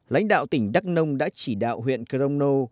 lãnh đạo tỉnh đắk nông đã chỉ đạo huyện crono